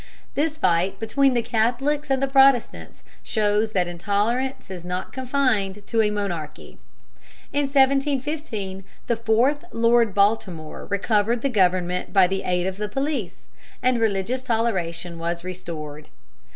This fight between the Catholics and Protestants shows that intolerance is not confined to a monarchy. In 1715 the fourth Lord Baltimore recovered the government by the aid of the police, and religious toleration was restored.